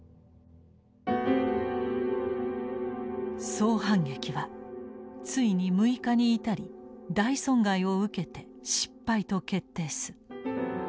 「総反撃はついに６日に至り大損害を受けて失敗と決定す。